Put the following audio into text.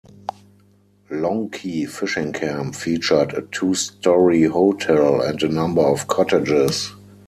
Long Key Fishing Camp featured a two-story hotel and a number of cottages.